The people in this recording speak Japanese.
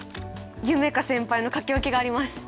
夢叶先輩の書き置きがあります。